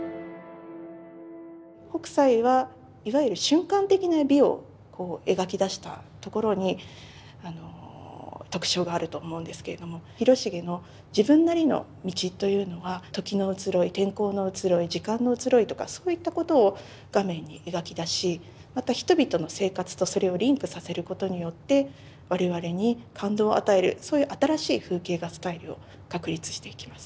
北斎はいわゆる瞬間的な美をこう描き出したところに特徴があると思うんですけれども広重の自分なりの道というのは時の移ろい天候の移ろい時間の移ろいとかそういったことを画面に描き出しまた人々の生活とそれをリンクさせることによって我々に感動を与えるそういう新しい風景画スタイルを確立していきます。